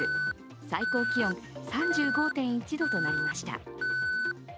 最高気温３５．１度となりました。